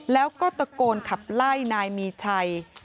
แล้วก็ตะโกนขับไล่นายมีชัย